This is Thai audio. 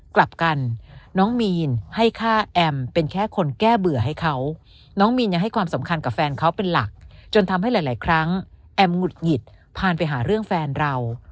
กลับกันน้องมีนให้ฆ่าแอมเป็นแค่คนแก้เบื่อให้เขาน้องมีนยังให้ความสำคัญกับแฟนเขาเป็นหลักจนทำให้หลายครั้งแอมหุดหงิดพานไปหาเรื่องแฟนเรา